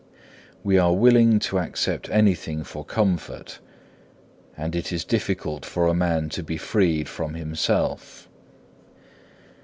2. We are willing to accept anything for comfort, and it is difficult for a man to be freed from himself.